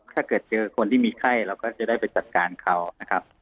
ถ้าเกิดเจอคนที่มีไข้เราก็จะได้ไปจัดการเขานะครับ